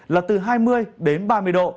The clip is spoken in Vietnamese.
là từ hai mươi đến ba mươi độ